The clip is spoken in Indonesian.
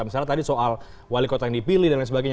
misalnya tadi soal wali kota yang dipilih dan lain sebagainya